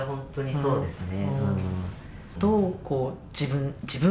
そうですね。